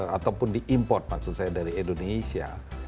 ataupun diimport maksud saya dari indonesia